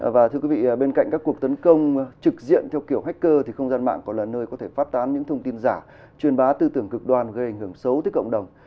và thưa quý vị bên cạnh các cuộc tấn công trực diện theo kiểu hacker thì không gian mạng còn là nơi có thể phát tán những thông tin giả truyền bá tư tưởng cực đoan gây ảnh hưởng xấu tới cộng đồng